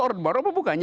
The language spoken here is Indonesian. order baru apa bukannya